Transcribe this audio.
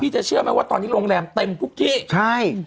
จะเชื่อไหมว่าตอนนี้โรงแรมเต็มทุกที่ใช่